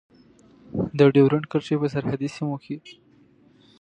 د ډیورند کرښې په سرحدي سیمو کې.